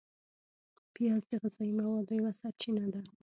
پیاز د غذایي موادو یوه سرچینه ده